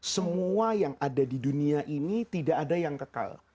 semua yang ada di dunia ini tidak ada yang kekal